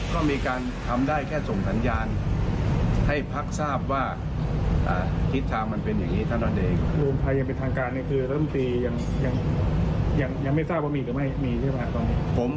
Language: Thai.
รวมไทยยังเป็นทางการคือรัฐมนตรียังไม่ทราบว่ามีหรือไม่มีใช่ไหม